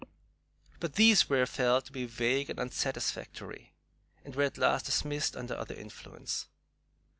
But these were felt to be vague and unsatisfactory, and were at last dismissed under another influence.